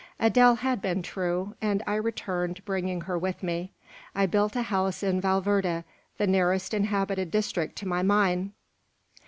"Adele had been true; and I returned, bringing her with me. "I built a house in Valverde, the nearest inhabited district to my mine.